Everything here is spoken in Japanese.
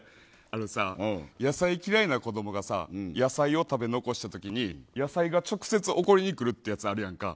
あのさ、野菜嫌いな子供がさ野菜を食べ残した時に野菜が直接怒りに来るってやつあるやんか？